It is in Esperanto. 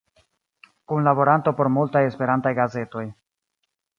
Kunlaboranto por multaj Esperantaj gazetoj.